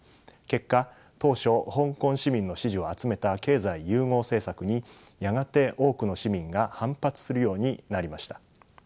結果当初香港市民の支持を集めた経済融合政策にやがて多くの市民が反発するようになりました。